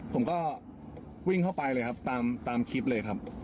ผมก็วิ่งเข้าไปเลยครับตามคลิปเลยครับ